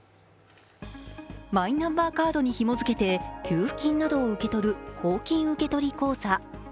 マイナンバーカードにひも付けて給付金などを受け取る公金受取口座。